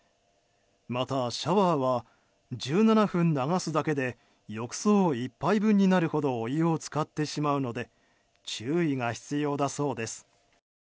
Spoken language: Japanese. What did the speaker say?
また、シャワーは１７分流すだけで浴槽１杯分になるほどお湯を使ってしまうので注意が必要だそうです。